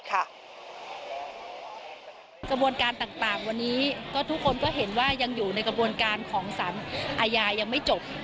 กระบวนการต่างวันนี้ก็ทุกคนก็เห็นว่ายังอยู่ในกระบวนการของสารอาญายังไม่จบ